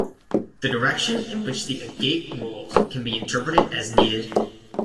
The direction in which the agate rolls can be interpreted as needed.